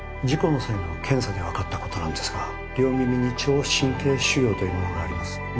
事故の際の検査で分かったことなんですが両耳に聴神経腫瘍というものがあります